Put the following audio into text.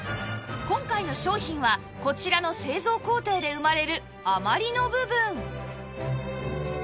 今回の商品はこちらの製造工程で生まれる余りの部分